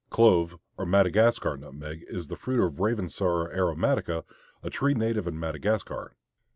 Clove or Madagascar nutmeg is the fruit of Ravensara aromatica, a tree native in Madagascar.